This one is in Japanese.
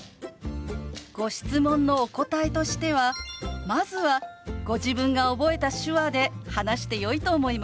ご質問のお答えとしてはまずはご自分が覚えた手話で話してよいと思います。